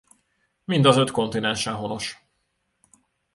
Mind az öt kontinensen honos.